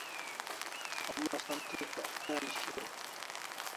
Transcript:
Homa som tichak t'em shiau